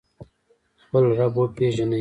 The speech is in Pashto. خپل رب وپیژنئ